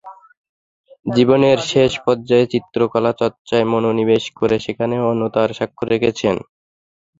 জীবনের শেষ পর্যায়ে চিত্রকলা চর্চায় মনোনিবেশ করে সেখানেও অনন্যতার স্বাক্ষর রেখেছেন।